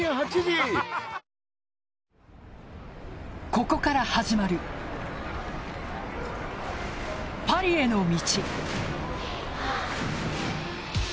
ここから始まるパリへの道。